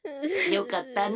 よかったの。